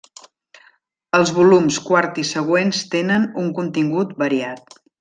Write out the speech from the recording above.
Els volums quart i següents tenen un contingut variat.